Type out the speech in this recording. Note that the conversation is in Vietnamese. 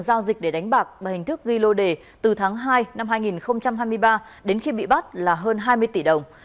giao dịch để đánh bạc bằng hình thức ghi lô đề từ tháng hai năm hai nghìn hai mươi ba đến khi bị bắt là hơn hai mươi tỷ đồng